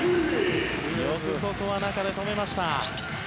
よく、ここは中で止めました。